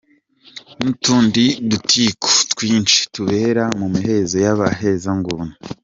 n’utundi dutiku twinshi tubera mu mihezo y’abahezanguni